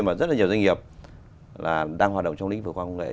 mà rất là nhiều doanh nghiệp đang hoạt động trong lĩnh vực khoa học công nghệ